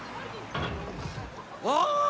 ああ！